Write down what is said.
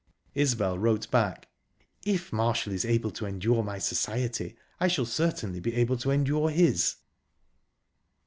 Isbel wrote back: "...If Marshall is able to endure my society, I shall certainly be able to endure his..."